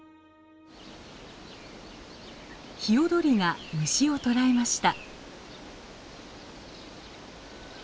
ヒヨドリが虫を捕らえました。